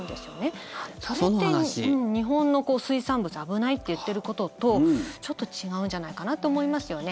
それって日本の水産物危ないって言っていることとちょっと違うんじゃないかなと思いますよね。